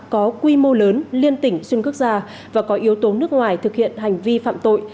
có quy mô lớn liên tỉnh xuyên quốc gia và có yếu tố nước ngoài thực hiện hành vi phạm tội